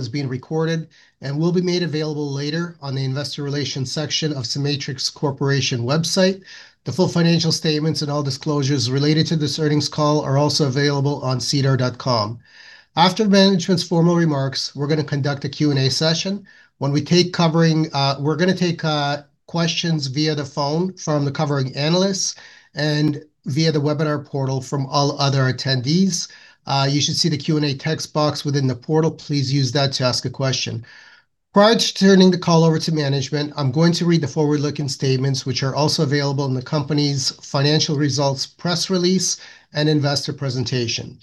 is being recorded and will be made available later on the investor relations section of the CEMATRIX Corporation website. The full financial statements and all disclosures related to this earnings call are also available on SEDAR+.com. After management's formal remarks, we're gonna conduct a Q&A session. We're gonna take questions via the phone from the covering analysts and via the webinar portal from all other attendees. You should see the Q&A text box within the portal. Please use that to ask a question. Prior to turning the call over to management, I'm going to read the forward-looking statements, which are also available in the company's financial results, press release and investor presentation.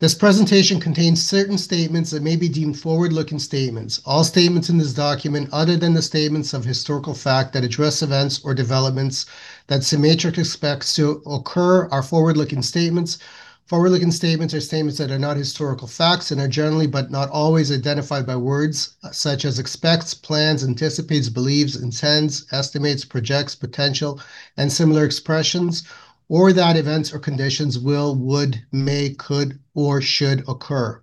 This presentation contains certain statements that may be deemed forward-looking statements. All statements in this document other than the statements of historical fact that address events or developments that CEMATRIX expects to occur are forward-looking statements. Forward-looking statements are statements that are not historical facts and are generally but not always identified by words such as expects, plans, anticipates, believes, intends, estimates, projects, potential and similar expressions, or that events or conditions will, would, may, could or should occur.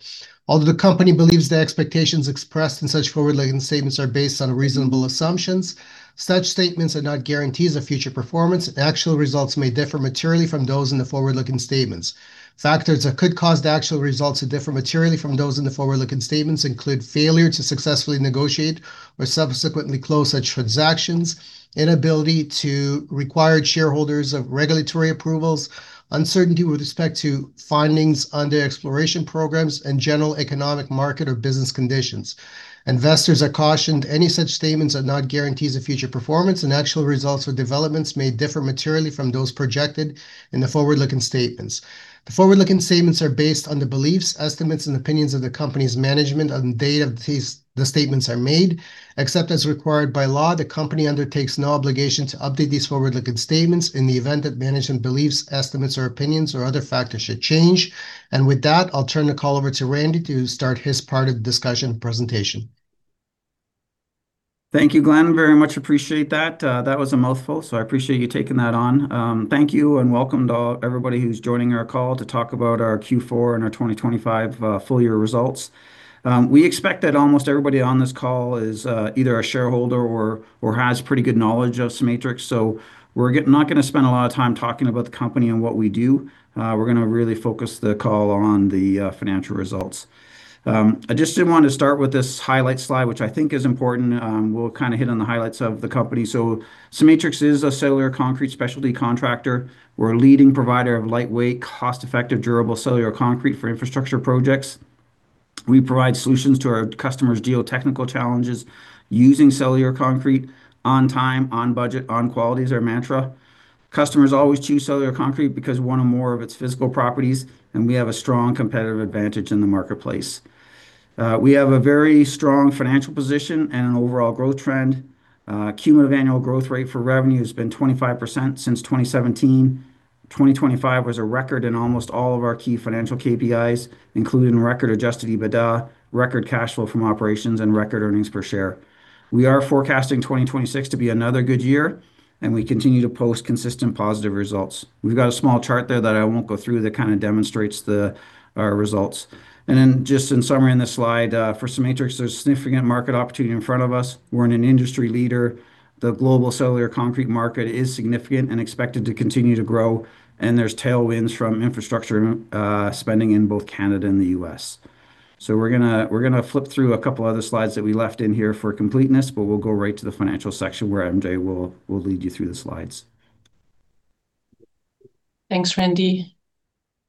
Although the company believes the expectations expressed in such forward-looking statements are based on reasonable assumptions, such statements are not guarantees of future performance and actual results may differ materially from those in the forward-looking statements. Factors that could cause the actual results to differ materially from those in the forward-looking statements include failure to successfully negotiate or subsequently close such transactions, inability to obtain required shareholder or regulatory approvals, uncertainty with respect to findings under exploration programs and general economic market or business conditions. Investors are cautioned that any such statements are not guarantees of future performance, and actual results or developments may differ materially from those projected in the forward-looking statements. The forward-looking statements are based on the beliefs, estimates and opinions of the company's management on the date these statements are made. Except as required by law, the company undertakes no obligation to update these forward-looking statements in the event that management beliefs, estimates, or opinions or other factors should change. With that, I'll turn the call over to Randy to start his part of the discussion presentation. Thank you, Glenn, very much appreciate that. That was a mouthful, so I appreciate you taking that on. Thank you and welcome to everybody who's joining our call to talk about our Q4 and our 2025 full year results. We expect that almost everybody on this call is either a shareholder or has pretty good knowledge of CEMATRIX, so we're not gonna spend a lot of time talking about the company and what we do. We're gonna really focus the call on the financial results. I just did want to start with this highlight slide, which I think is important. We'll kind of hit on the highlights of the company. CEMATRIX is a cellular concrete specialty contractor. We're a leading provider of lightweight, cost-effective, durable cellular concrete for infrastructure projects. We provide solutions to our customers' geotechnical challenges using cellular concrete, on time, on budget, on quality, is our mantra. Customers always choose cellular concrete because one or more of its physical properties, and we have a strong competitive advantage in the marketplace. We have a very strong financial position and an overall growth trend. Cumulative annual growth rate for revenue has been 25% since 2017. 2025 was a record in almost all of our key financial KPIs, including record adjusted EBITDA, record cash flow from operations and record earnings per share. We are forecasting 2026 to be another good year, and we continue to post consistent positive results. We've got a small chart there that I won't go through that kind of demonstrates the, our results. Just in summary in this slide, for CEMATRIX, there's significant market opportunity in front of us. We're an industry leader. The global cellular concrete market is significant and expected to continue to grow, and there's tailwinds from infrastructure spending in both Canada and the US. We're gonna flip through a couple other slides that we left in here for completeness, but we'll go right to the financial section where MJ will lead you through the slides. Thanks, Randy.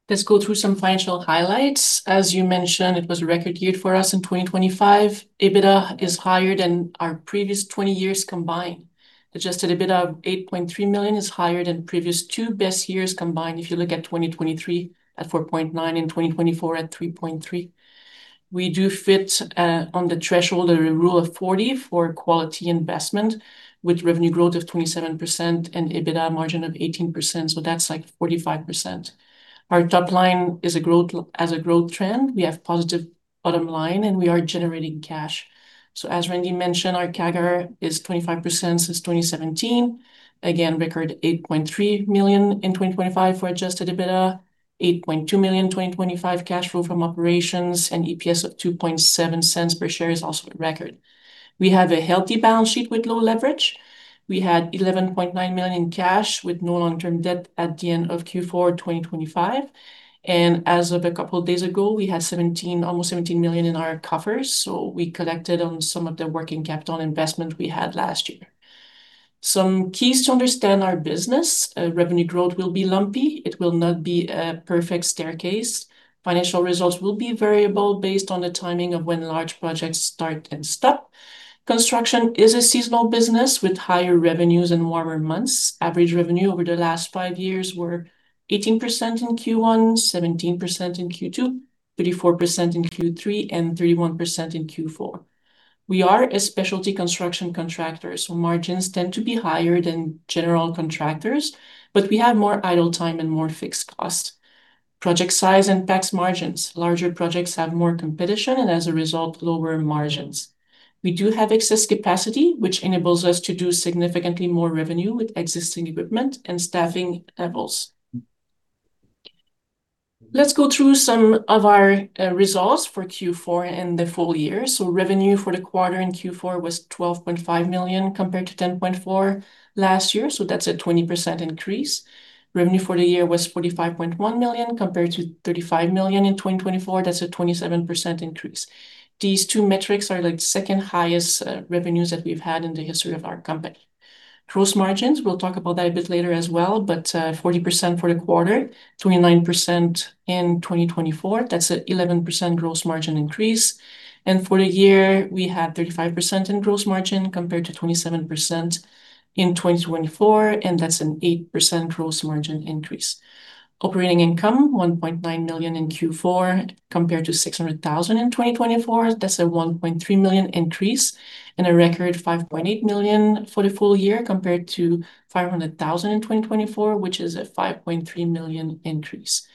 Let's go through some financial highlights. As you mentioned, it was a record year for us in 2025. EBITDA is higher than our previous 20 years combined. Adjusted EBITDA of 8.3 million is higher than previous two best years combined if you look at 2023 at 4.9 million and 2024 at 3.3 million. We do fit on the threshold or a Rule of 40 for quality investment with revenue growth of 27% and EBITDA margin of 18%, so that's like 45%. Our top line has a growth trend. We have positive bottom line, and we are generating cash. As Randy mentioned, our CAGR is 25% since 2017. Again, record 8.3 million in 2025 for adjusted EBITDA, 8.2 million in 2025 cash flow from operations, and EPS of 0.027 per share is also a record. We have a healthy balance sheet with low leverage. We had 11.9 million in cash with no long-term debt at the end of Q4 2025. As of a couple of days ago, we had almost 17 million in our coffers, so we collected on some of the working capital investment we had last year. Some keys to understand our business. Revenue growth will be lumpy. It will not be a perfect staircase. Financial results will be variable based on the timing of when large projects start and stop. Construction is a seasonal business with higher revenues in warmer months. Average revenue over the last five years were 18% in Q1, 17% in Q2, 34% in Q3 and 31% in Q4. We are a specialty construction contractor, so margins tend to be higher than general contractors, but we have more idle time and more fixed cost. Project size impacts margins. Larger projects have more competition and, as a result, lower margins. We do have excess capacity, which enables us to do significantly more revenue with existing equipment and staffing levels. Let's go through some of our results for Q4 and the full year. Revenue for the quarter in Q4 was 12.5 million compared to 10.4 million last year, that's a 20% increase. Revenue for the year was 45.1 million compared to 35 million in 2024. That's a 27% increase. These two metrics are like the second highest revenues that we've had in the history of our company. Gross margins, we'll talk about that a bit later as well, but 40% for the quarter, 29% in 2024. That's an 11% gross margin increase. For the year we had 35% in gross margin compared to 27% in 2024, and that's an 8% gross margin increase. Operating income, 1.9 million in Q4 compared to 600 thousand in 2024. That's a 1.3 million increase. A record 5.8 million for the full year compared to 500 thousand in 2024, which is a 5.3 million increase.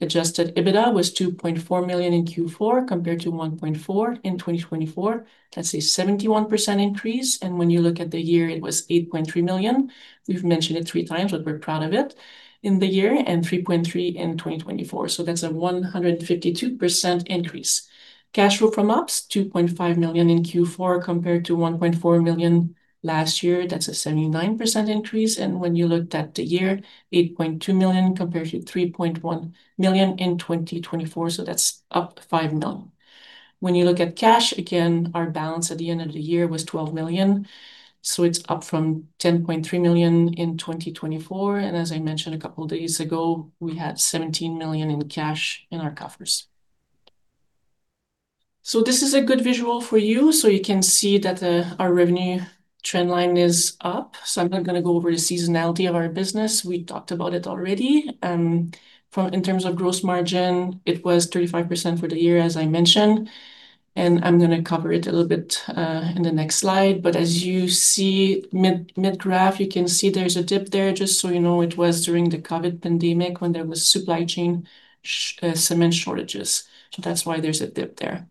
Adjusted EBITDA was 2.4 million in Q4 compared to 1.4 million in 2024. That's a 71% increase, and when you look at the year it was 8.3 million. We've mentioned it three times, but we're proud of it. In the year and 3.3 million in 2024, so that's a 152% increase. Cash flow from ops, 2.5 million in Q4 compared to 1.4 million last year. That's a 79% increase. When you looked at the year, 8.2 million compared to 3.1 million in 2024, so that's up 5 million. When you look at cash, again, our balance at the end of the year was 12 million, so it's up from 10.3 million in 2024. As I mentioned a couple of days ago, we had 17 million in cash in our coffers. This is a good visual for you. You can see that, our revenue trend line is up. I'm not gonna go over the seasonality of our business. We talked about it already, in terms of gross margin, it was 35% for the year as I mentioned, and I'm gonna cover it a little bit, in the next slide. As you see mid-graph, you can see there's a dip there. Just so you know, it was during the COVID pandemic when there was supply chain, cement shortages, that's why there's a dip there.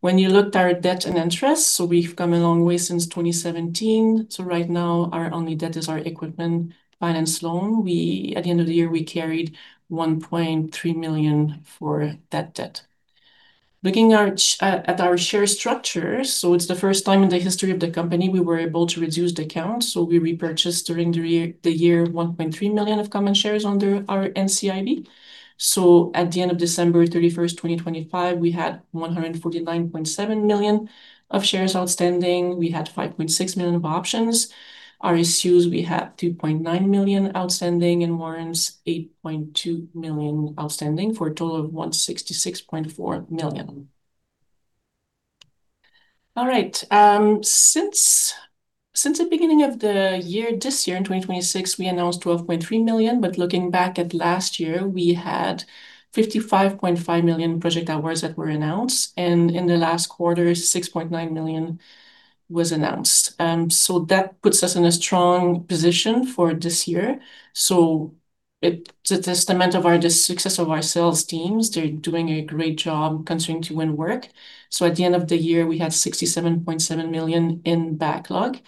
When you look at our debt and interest, we've come a long way since 2017. Right now our only debt is our equipment finance loan. At the end of the year, we carried 1.3 million for that debt. Looking at our share structure, it's the first time in the history of the company we were able to reduce the count. We repurchased during the year 1.3 million of common shares under our NCIB. At the end of December 31, 2025, we had 149.7 million of shares outstanding. We had 5.6 million of options. RSUs, we had 2.9 million outstanding, and warrants 8.2 million outstanding for a total of 166.4 million. All right, since the beginning of the year this year in 2026, we announced 12.3 million. Looking back at last year, we had 55.5 million project awards that were announced, and in the last quarter, 6.9 million was announced. That puts us in a strong position for this year. It's a testament of the success of our sales teams. They're doing a great job continuing to win work. At the end of the year, we had 67.7 million in backlog.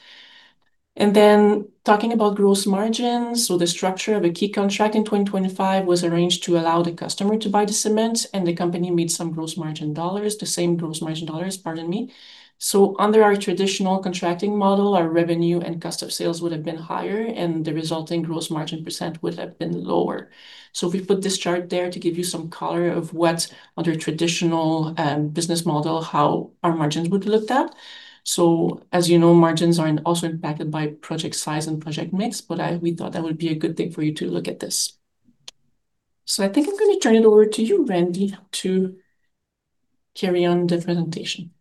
Talking about gross margins. The structure of a key contract in 2025 was arranged to allow the customer to buy the cement, and the company made some gross margin dollars. The same gross margin dollars, pardon me. Under our traditional contracting model, our revenue and cost of sales would have been higher, and the resulting gross margin % would have been lower. We put this chart there to give you some color of what under traditional business model, how our margins would have looked at. As you know, margins are also impacted by project size and project mix, but we thought that would be a good thing for you to look at this. I think I'm gonna turn it over to you, Randy, to carry on the presentation.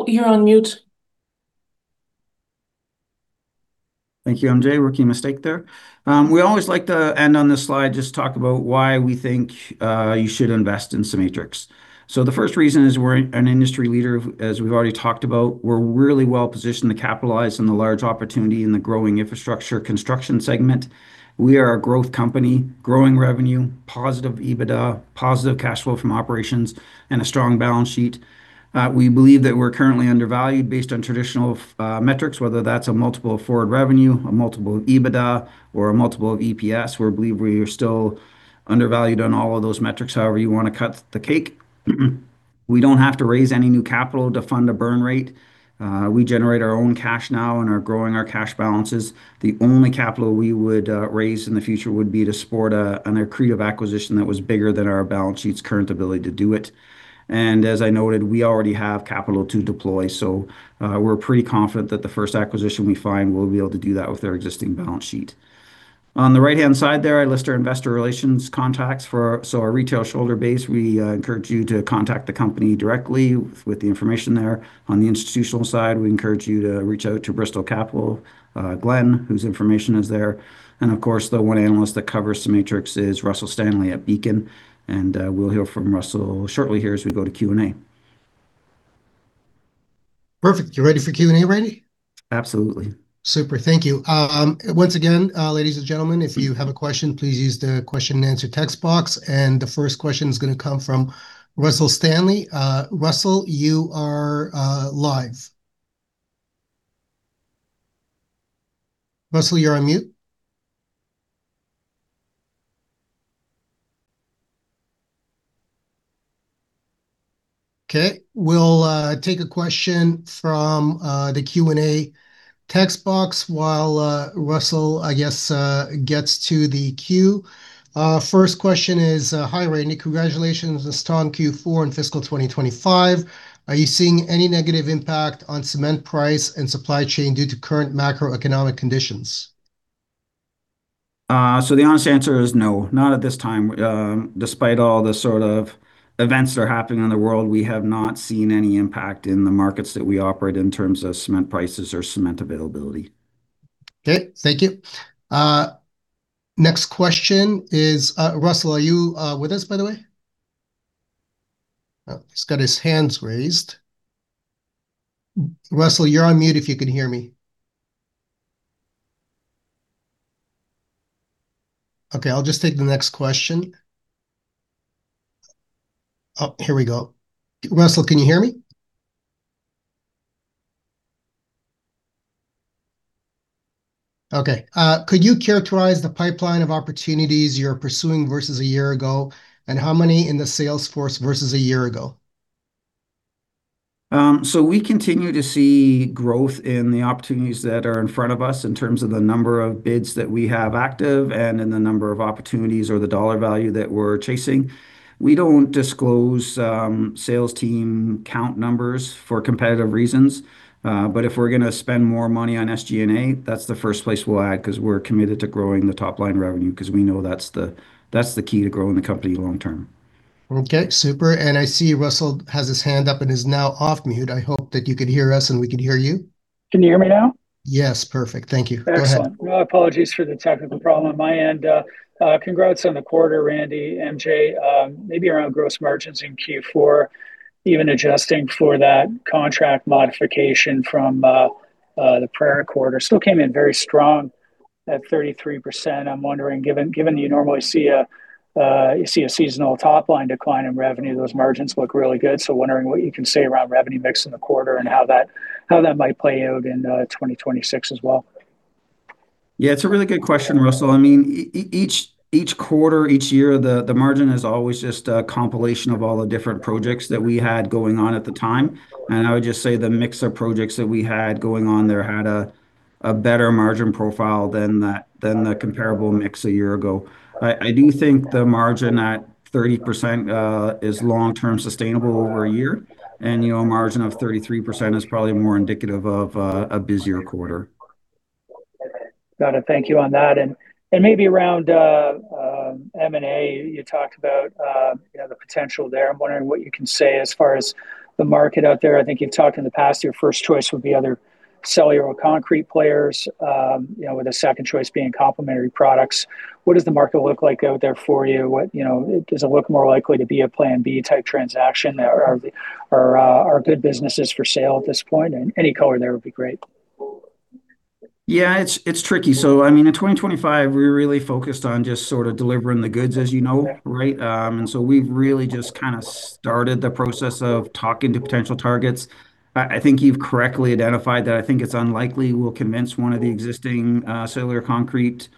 Oh, you're on mute. Thank you, MJ. Rookie mistake there. We always like to end on this slide, just talk about why we think you should invest in CEMATRIX. The first reason is we're an industry leader, as we've already talked about. We're really well-positioned to capitalize on the large opportunity in the growing infrastructure construction segment. We are a growth company, growing revenue, positive EBITDA, positive cash flow from operations, and a strong balance sheet. We believe that we're currently undervalued based on traditional metrics, whether that's a multiple of forward revenue, a multiple of EBITDA, or a multiple of EPS. We believe we are still undervalued on all of those metrics, however you wanna cut the cake. We don't have to raise any new capital to fund a burn rate. We generate our own cash now and are growing our cash balances. The only capital we would raise in the future would be to support an accretive acquisition that was bigger than our balance sheet's current ability to do it. As I noted, we already have capital to deploy, so we're pretty confident that the first acquisition we find, we'll be able to do that with our existing balance sheet. On the right-hand side there, I list our investor relations contacts for our retail shareholder base. We encourage you to contact the company directly with the information there. On the institutional side, we encourage you to reach out to Bristol Capital, Glenn, whose information is there. Of course, the one analyst that covers CEMATRIX is Russell Stanley at Beacon, and we'll hear from Russell shortly here as we go to Q&A. Perfect. You ready for Q&A, Randy? Absolutely. Super. Thank you. Once again, ladies and gentlemen, if you have a question, please use the question and answer text box, and the first question is gonna come from Russell Stanley. Russell, you are live. Russell, you're on mute. Okay. We'll take a question from the Q&A text box while Russell, I guess, gets to the queue. First question is, "Hi, Randy. Congratulations on the strong Q4 in fiscal 2025. Are you seeing any negative impact on cement price and supply chain due to current macroeconomic conditions? The honest answer is no, not at this time. Despite all the sort of events that are happening in the world, we have not seen any impact in the markets that we operate in terms of cement prices or cement availability. Okay. Thank you. Next question is. Russell, are you with us, by the way? Oh, he's got his hands raised. Russell, you're on mute if you can hear me. Okay, I'll just take the next question. Oh, here we go. Russell, can you hear me? Okay. Could you characterize the pipeline of opportunities you're pursuing versus a year ago, and how many in the sales force versus a year ago? We continue to see growth in the opportunities that are in front of us in terms of the number of bids that we have active and in the number of opportunities or the dollar value that we're chasing. We don't disclose sales team count numbers for competitive reasons. If we're gonna spend more money on SG&A, that's the first place we'll add 'cause we're committed to growing the top-line revenue 'cause we know that's the key to growing the company long term. Okay. Super. I see Russell has his hand up and is now off mute. I hope that you could hear us, and we could hear you. Can you hear me now? Yes. Perfect. Thank you. Go ahead. Excellent. Well, apologies for the technical problem on my end. Congrats on the quarter, Randy, MJ. Maybe around gross margins in Q4, even adjusting for that contract modification from the prior quarter, still came in very strong at 33%. I'm wondering, given you normally see a seasonal top-line decline in revenue, those margins look really good. Wondering what you can say around revenue mix in the quarter and how that might play out in 2026 as well. Yeah. It's a really good question, Russell. I mean, each quarter, each year, the margin is always just a compilation of all the different projects that we had going on at the time. I would just say the mix of projects that we had going on there had a better margin profile than the comparable mix a year ago. I do think the margin at 30% is long-term sustainable over a year. You know, a margin of 33% is probably more indicative of a busier quarter. Got it. Thank you on that. Maybe around M&A, you talked about you know, the potential there. I'm wondering what you can say as far as the market out there. I think you've talked in the past, your first choice would be other cellular or concrete players, you know, with the second choice being complementary products. What does the market look like out there for you? You know, does it look more likely to be a plan B type transaction? Are good businesses for sale at this point? Any color there would be great. Yeah. It's tricky. I mean, in 2025, we really focused on just sort of delivering the goods as you know, right? We've really just kind of started the process of talking to potential targets. I think you've correctly identified that I think it's unlikely we'll convince one of the existing cellular concrete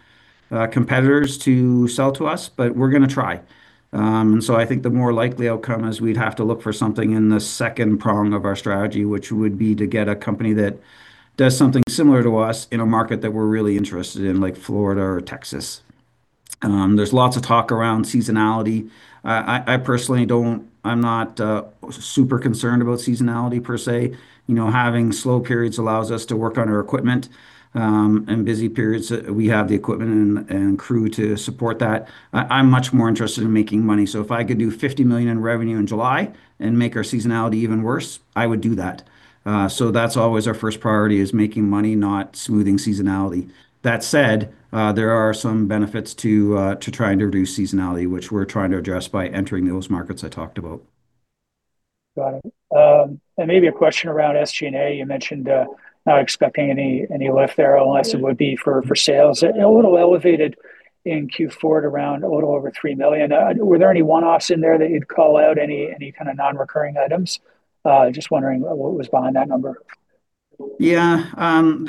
competitors to sell to us, but we're gonna try. I think the more likely outcome is we'd have to look for something in the second prong of our strategy, which would be to get a company that does something similar to us in a market that we're really interested in, like Florida or Texas. There's lots of talk around seasonality. I'm not super concerned about seasonality per se. You know, having slow periods allows us to work on our equipment, and busy periods, we have the equipment and crew to support that. I'm much more interested in making money. If I could do 50 million in revenue in July and make our seasonality even worse, I would do that. That's always our first priority, is making money, not smoothing seasonality. That said, there are some benefits to trying to reduce seasonality, which we're trying to address by entering those markets I talked about. Got it. Maybe a question around SG&A. You mentioned not expecting any lift there unless it would be for sales. A little elevated in Q4 at around a little over 3 million. Were there any one-offs in there that you'd call out, any kind of non-recurring items? Just wondering what was behind that number. Yeah.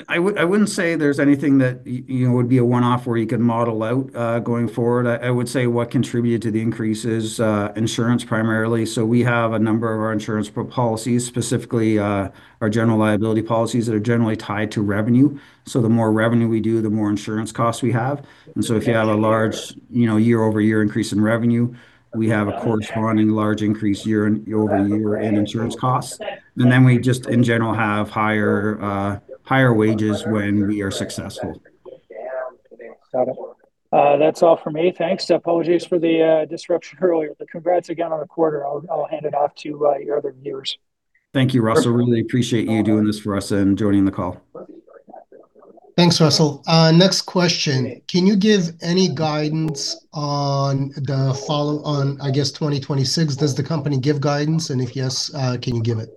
I wouldn't say there's anything that you know, would be a one-off where you could model out going forward. I would say what contributed to the increase is insurance primarily. We have a number of our insurance policies, specifically our general liability policies that are generally tied to revenue. The more revenue we do, the more insurance costs we have. If you have a large you know, year-over-year increase in revenue, we have a corresponding large increase year-over-year in insurance costs. We just in general have higher wages when we are successful. Got it. That's all for me. Thanks. Apologies for the disruption earlier. Congrats again on the quarter. I'll hand it off to your other viewers. Thank you, Russell. Really appreciate you doing this for us and joining the call. Thanks, Russell. Next question. Can you give any guidance on the follow-on, I guess, 2026? Does the company give guidance, and if yes, can you give it?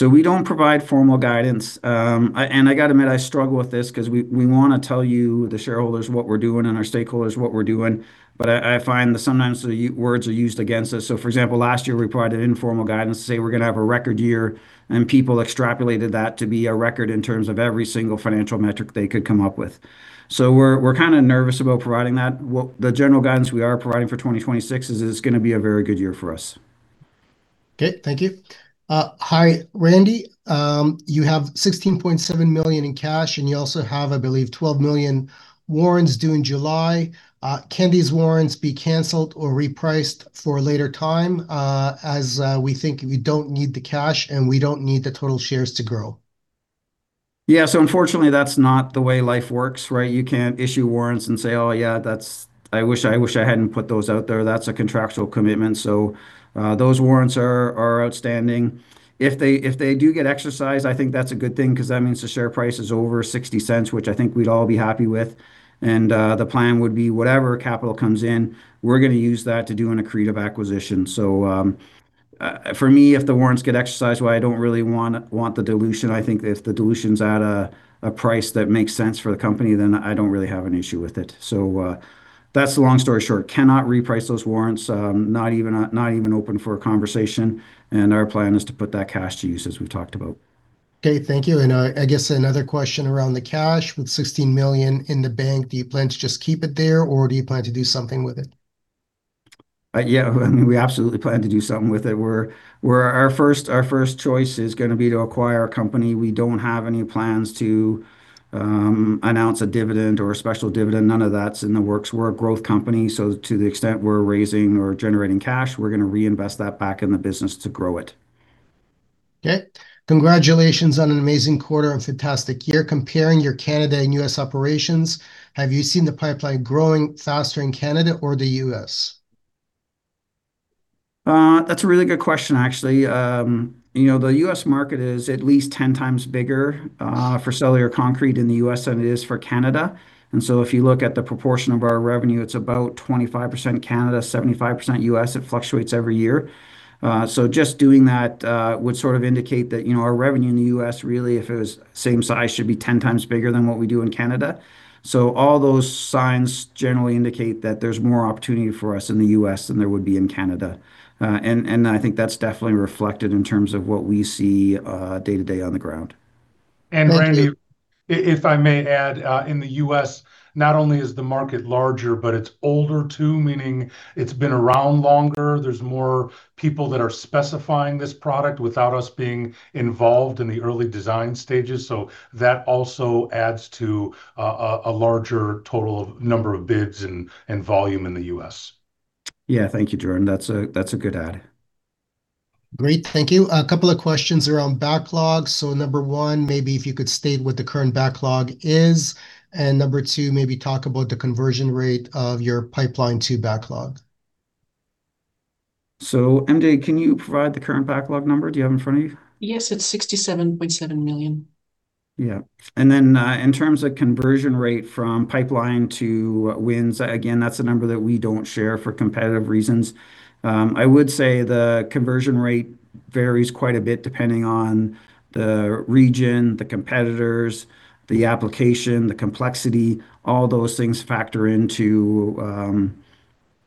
We don't provide formal guidance. I gotta admit, I struggle with this 'cause we wanna tell you, the shareholders, what we're doing and our stakeholders what we're doing, but I find that sometimes the words are used against us. For example, last year, we provided informal guidance to say we're gonna have a record year, and people extrapolated that to be a record in terms of every single financial metric they could come up with. We're kind of nervous about providing that. The general guidance we are providing for 2026 is it's gonna be a very good year for us. Okay, thank you. Hi, Randy. You have 16.7 million in cash, and you also have, I believe, 12 million warrants due in July. Can these warrants be canceled or repriced for a later time, as we think we don't need the cash and we don't need the total shares to grow? Yeah. Unfortunately that's not the way life works, right? You can't issue warrants and say, "Oh yeah, I wish I hadn't put those out there." That's a contractual commitment. Those warrants are outstanding. If they do get exercised, I think that's a good thing 'cause that means the share price is over 0.60, which I think we'd all be happy with. The plan would be whatever capital comes in, we're gonna use that to do an accretive acquisition. For me, if the warrants get exercised while I don't really want the dilution, I think if the dilution's at a price that makes sense for the company, then I don't really have an issue with it. That's the long story short. Cannot reprice those warrants, not even open for a conversation, and our plan is to put that cash to use as we've talked about. Okay. Thank you. I guess another question around the cash. With 16 million in the bank, do you plan to just keep it there or do you plan to do something with it? Yeah, I mean, we absolutely plan to do something with it. Our first choice is gonna be to acquire a company. We don't have any plans to announce a dividend or a special dividend. None of that's in the works. We're a growth company, so to the extent we're raising or generating cash, we're gonna reinvest that back in the business to grow it. Okay. Congratulations on an amazing quarter and fantastic year. Comparing your Canada and U.S. operations, have you seen the pipeline growing faster in Canada or the U.S.? That's a really good question, actually. You know, the U.S. market is at least 10x bigger for cellular concrete in the U.S. than it is for Canada. If you look at the proportion of our revenue, it's about 25% Canada, 75% U.S. It fluctuates every year. Just doing that would sort of indicate that, you know, our revenue in the U.S. really, if it was same size, should be 10x bigger than what we do in Canada. All those signs generally indicate that there's more opportunity for us in the U.S. than there would be in Canada. I think that's definitely reflected in terms of what we see day to day on the ground. Thank you. Randy, if I may add, in the U.S., not only is the market larger, but it's older too, meaning it's been around longer. There's more people that are specifying this product without us being involved in the early design stages. That also adds to a larger total number of bids and volume in the U.S. Yeah. Thank you, Jordan. That's a good add. Great. Thank you. A couple of questions around backlog. Number one, maybe if you could state what the current backlog is? Number two, maybe talk about the conversion rate of your pipeline to backlog? MJ, can you provide the current backlog number? Do you have it in front of you? Yes. It's 67.7 million. Yeah. In terms of conversion rate from pipeline to wins, again, that's a number that we don't share for competitive reasons. I would say the conversion rate varies quite a bit depending on the region, the competitors, the application, the complexity. All those things factor into,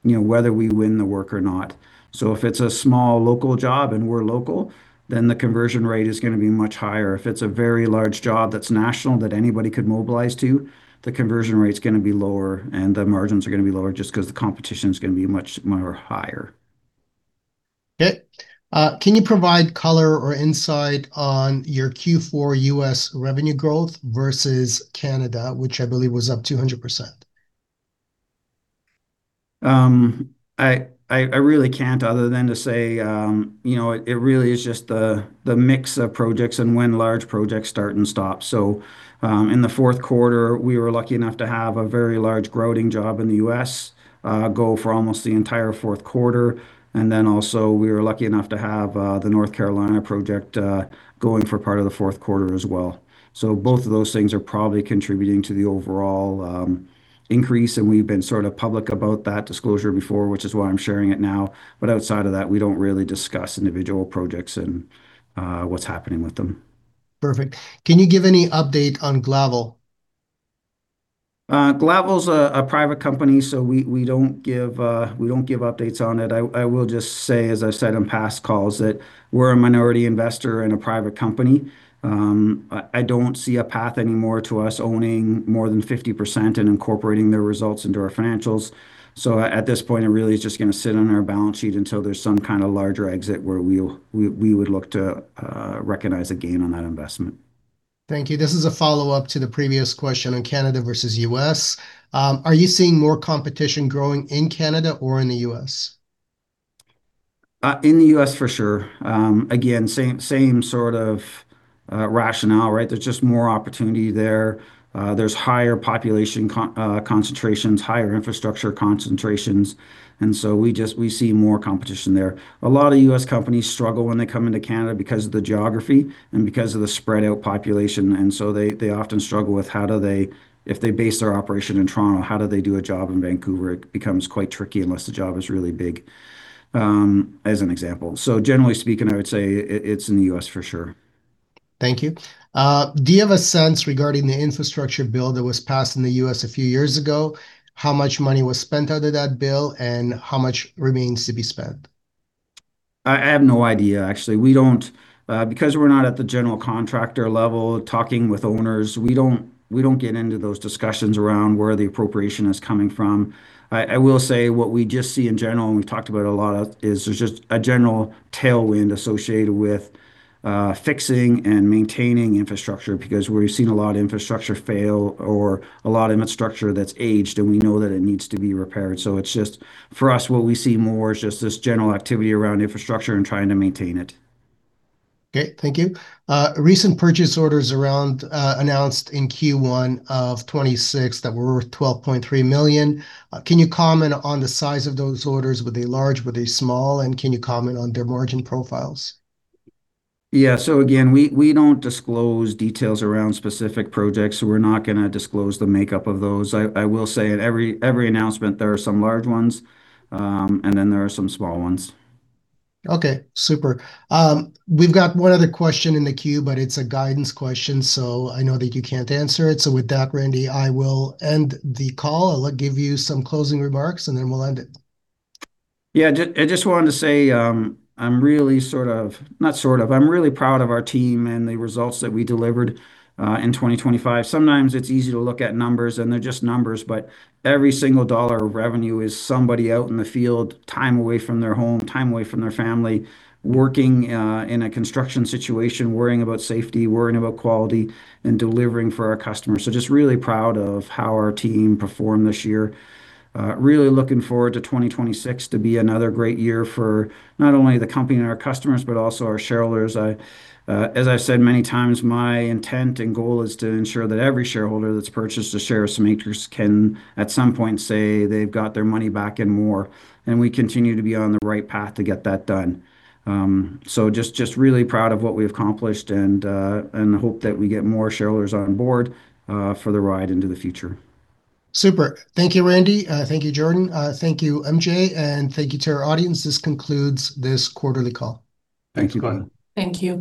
you know, whether we win the work or not. If it's a small local job and we're local, then the conversion rate is gonna be much higher. If it's a very large job that's national that anybody could mobilize to, the conversion rate's gonna be lower and the margins are gonna be lower just 'cause the competition's gonna be much more higher. Okay. Can you provide color or insight on your Q4 U.S. revenue growth versus Canada, which I believe was up 200%? I really can't other than to say, you know, it really is just the mix of projects and when large projects start and stop. In the fourth quarter, we were lucky enough to have a very large grouting job in the U.S. go for almost the entire fourth quarter. Then also we were lucky enough to have the North Carolina project going for part of the fourth quarter as well. Both of those things are probably contributing to the overall increase, and we've been sort of public about that disclosure before, which is why I'm sharing it now. Outside of that, we don't really discuss individual projects and what's happening with them. Perfect. Can you give any update on Glavel? Glavel's a private company, so we don't give updates on it. I will just say, as I've said on past calls, that we're a minority investor in a private company. I don't see a path anymore to us owning more than 50% and incorporating their results into our financials. At this point it really is just gonna sit on our balance sheet until there's some kind of larger exit where we would look to recognize a gain on that investment. Thank you. This is a follow-up to the previous question on Canada versus U.S. Are you seeing more competition growing in Canada or in the U.S.? In the U.S. for sure. Again, same sort of rationale, right? There's just more opportunity there. There's higher population concentrations, higher infrastructure concentrations, and so we just see more competition there. A lot of U.S. companies struggle when they come into Canada because of the geography and because of the spread out population, and so they often struggle. If they base their operation in Toronto, how do they do a job in Vancouver? It becomes quite tricky unless the job is really big, as an example. Generally speaking, I would say it's in the U.S. for sure. Thank you. Do you have a sense regarding the infrastructure bill that was passed in the U.S. a few years ago, how much money was spent out of that bill and how much remains to be spent? I have no idea actually. We don't, because we're not at the general contractor level talking with owners, we don't get into those discussions around where the appropriation is coming from. I will say what we just see in general, and we've talked about a lot, is there's just a general tailwind associated with fixing and maintaining infrastructure because we're seeing a lot of infrastructure fail or a lot of infrastructure that's aged, and we know that it needs to be repaired. It's just for us what we see more is just this general activity around infrastructure and trying to maintain it. Okay, thank you. Recent purchase orders announced in Q1 of 2026 that were worth 12.3 million, can you comment on the size of those orders? Were they large? Were they small? Can you comment on their margin profiles? Yeah. Again, we don't disclose details around specific projects, so we're not gonna disclose the makeup of those. I will say at every announcement there are some large ones, and then there are some small ones. Okay, super. We've got one other question in the queue, but it's a guidance question, so I know that you can't answer it. With that, Randy, I will end the call. I'll give you some closing remarks, and then we'll end it. Yeah. I just wanted to say, I'm really proud of our team and the results that we delivered in 2025. Sometimes it's easy to look at numbers and they're just numbers, but every single dollar of revenue is somebody out in the field, time away from their home, time away from their family, working in a construction situation, worrying about safety, worrying about quality, and delivering for our customers. Just really proud of how our team performed this year. Really looking forward to 2026 to be another great year for not only the company and our customers but also our shareholders. I, as I've said many times, my intent and goal is to ensure that every shareholder that's purchased a share of CEMATRIX can at some point say they've got their money back and more, and we continue to be on the right path to get that done. Just really proud of what we've accomplished and hope that we get more shareholders on board for the ride into the future. Super. Thank you, Randy. Thank you, Jordan. Thank you, MJ. Thank you to our audience. This concludes this quarterly call. Thank you. Thank you.